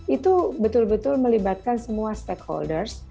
itu betul betul melibatkan semua stakeholders